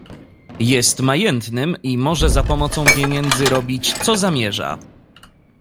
"Jest majętnym i może za pomocą pieniędzy robić co zamierza."